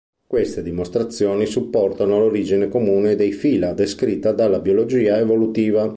Queste dimostrazioni supportano l'origine comune dei phyla descritta dalla biologia evolutiva.